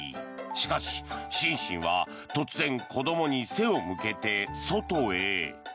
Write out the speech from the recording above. しかし、シンシンは突然子どもに背を向けて外へ。